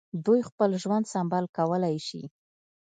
دوی خپل ژوند سمبال کولای شي.